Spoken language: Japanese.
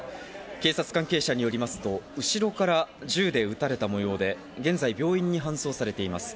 警察関係者によりますと、後ろから銃で撃たれた模様で、現在、病院に搬送されています。